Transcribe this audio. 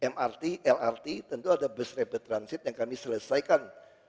mrt lrt tentu ada bus rapid transit yang kami selesaikan